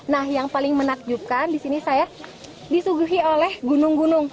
nah yang paling menakjubkan di sini saya disuguhi oleh gunung gunung